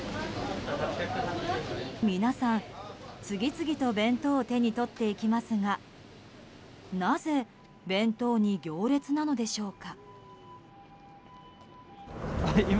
皆さん、次々と弁当を手に取っていきますがなぜ弁当に行列なのでしょうか。